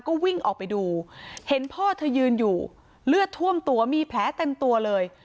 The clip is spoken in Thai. ก็วิ่งออกไปดูเห็นพ่อเธอยืนอยู่เลือดท่วมตัวมีแผลเต็มตัวเลย